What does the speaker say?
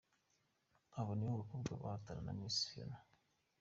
Abo nibo bakobwa bahatana na Misi Phiona .